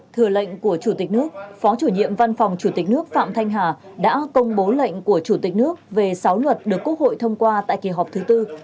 thừa lệnh của chủ tịch nước phó chủ nhiệm văn phòng chủ tịch nước phạm thanh hà đã công bố lệnh của chủ tịch nước về sáu luật được quốc hội thông qua tại kỳ họp thứ tư